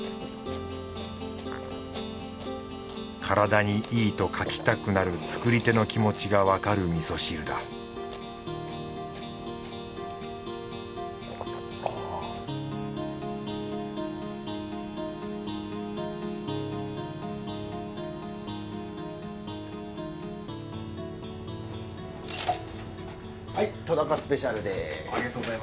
体にいいと書きたくなる作り手の気持ちがわかるみそ汁だはいとだかスペシャルです。